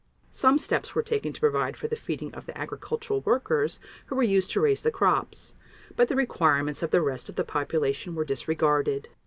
Some steps were taken to provide for the feeding of the agricultural workers who were used to raise the crops, but the requirements of the rest of the population were disregarded.